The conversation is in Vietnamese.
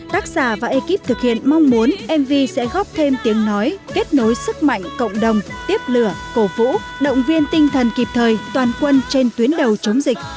tác giả và ekip thực hiện mong muốn mv sẽ góp thêm tiếng nói kết nối sức mạnh cộng đồng tiếp lửa cổ vũ động viên tinh thần kịp thời toàn quân trên tuyến đầu chống dịch